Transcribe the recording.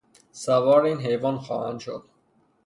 سوار این حیوان خواهند شد.